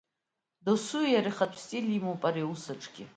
Доусы иара ихатә стиль имоуп ари аус аҿгьы.